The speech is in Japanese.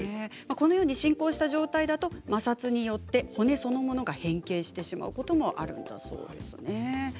このような進行した状態だと摩擦によって骨そのものが変形してしまうこともあるんだそうです。